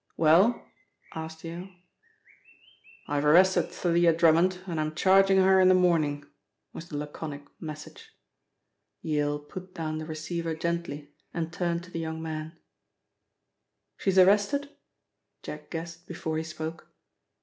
"Well?" asked Yale. "I've arrested Thalia Drummond, and I am charging her in the morning," was the laconic message. Yale put down the receiver gently and turned to the young man, "She's arrested?" Jack guessed before he spoke.